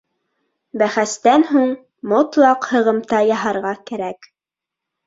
Бәхәстән һуң мотлаҡ һығымта яһарға кәрәк.